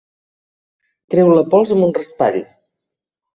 Treure la pols amb un raspall.